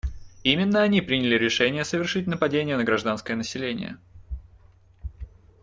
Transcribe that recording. Именно они приняли решение совершить нападения на гражданское население.